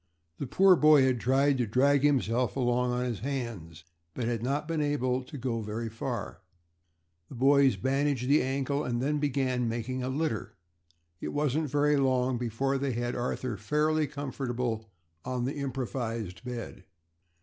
The poor boy had tried to drag himself along on his hands but had not been able to get very far. The boys bandaged the ankle and then began making a litter. It wasn't very long before they had Arthur fairly comfortable on the improvised bed.